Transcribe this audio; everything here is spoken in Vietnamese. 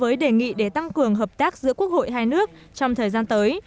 đồng ý đề nghị để tăng cường hợp tác giữa quốc hội hai nước trong thời gian tới